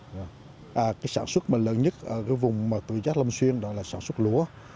tuy nhiên sản xuất lớn nhất ở vùng tứ giác long xuyên là sản xuất lúa